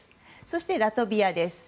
そしてラトビアです。